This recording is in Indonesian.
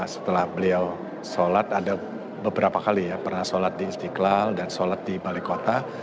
setelah beliau sholat ada beberapa kali ya pernah sholat di istiqlal dan sholat di balai kota